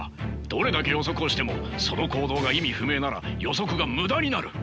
どれだけ予測をしてもその行動が意味不明なら予測が無駄になる。